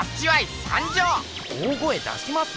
大声だします？